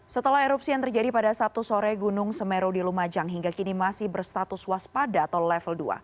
setelah erupsi yang terjadi pada sabtu sore gunung semeru di lumajang hingga kini masih berstatus waspada atau level dua